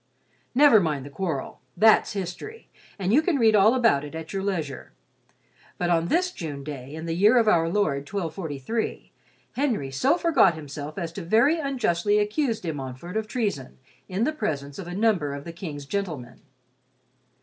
Never mind the quarrel, that's history, and you can read all about it at your leisure. But on this June day in the year of our Lord 1243, Henry so forgot himself as to very unjustly accuse De Montfort of treason in the presence of a number of the King's gentlemen.